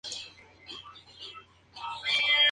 El parque está en un sitio lejano a la civilización.